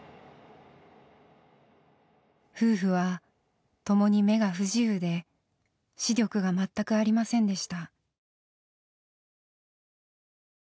夫婦は共に目が不自由で視力が全くありませんでした。